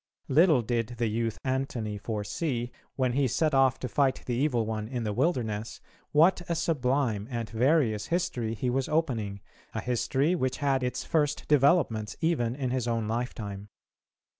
Little did the youth Antony foresee, when he set off to fight the evil one in the wilderness, what a sublime and various history he was opening, a history which had its first developments even in his own lifetime.